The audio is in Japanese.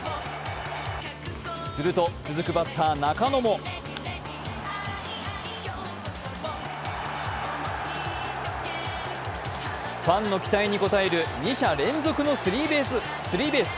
すると続くバッター・中野もファンの期待に応える２者連続のスリーベース。